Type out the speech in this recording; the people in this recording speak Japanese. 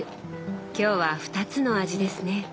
今日は２つの味ですね？